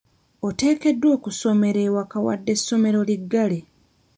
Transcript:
Oteekeddwa okusomera ewaka wadde essomero liggale.